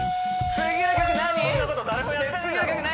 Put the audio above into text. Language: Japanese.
次の曲何？